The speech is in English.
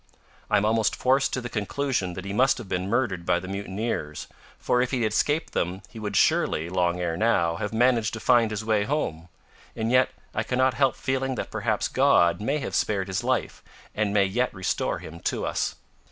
I am almost forced to the conclusion that he must have been murdered by the mutineers, for if he had escaped them, he would surely, long ere now, have managed to find his way home. And yet I cannot help feeling that perhaps God may have spared his life, and may yet restore him to us."